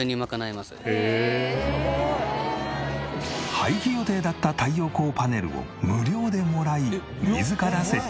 廃棄予定だった太陽光パネルを無料でもらい自ら設置。